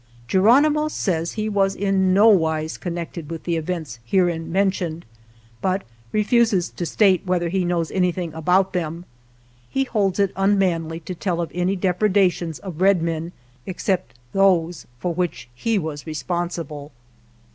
Geronimo says he was in no wise con nected with the events herein mentioned, but refuses to state whether he knows anything about them. He holds it unmanly to tell of any depredations of red men except those for which he was responsible.